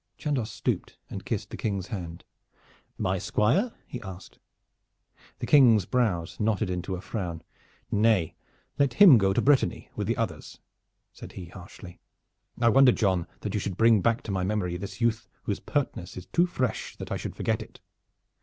Chandos stooped and kissed the King's hand. "My Squire?" he asked. The King's brows knotted into a frown. "Nay, let him go to Brittany with the others," said he harshly. "I wonder, John, that you should bring back to my memory this youth whose pertness is too fresh that I should forget it.